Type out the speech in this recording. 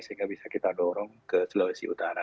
sehingga bisa kita dorong ke sulawesi utara